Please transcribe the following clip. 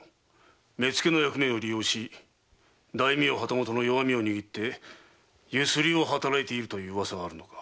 目付の役目を利用し大名旗本の弱みを握って強請を働いているという噂があるのか。